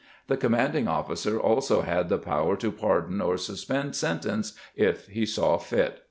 The commanding officer also had the power to pardon or suspend sentence if he saw fit.